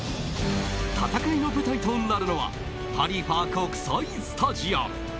戦いの舞台となるのはハリーファ国際スタジアム。